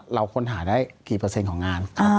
เราค้นหาได้กี่เปอร์เซ็นต์ของงาน